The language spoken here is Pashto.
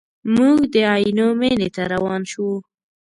موږ د عینو مینې ته روان شوو.